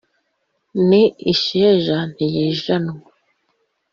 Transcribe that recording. Ni isheja ntiyijanwa